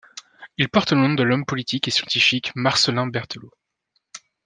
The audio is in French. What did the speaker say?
Il porte le nom de l'homme politique et scientifique Marcellin Berthelot.